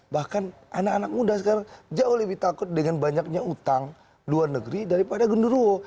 bahkan anak anak muda sekarang jauh lebih takut dengan banyaknya utang luar negeri daripada gendurowo